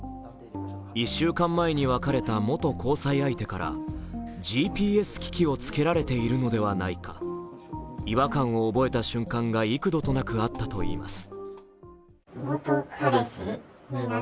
１週間前に別れた元交際相手からＧＰＳ機器をつけられているのではないか、違和感を覚えた瞬間が幾度となくあったといいます。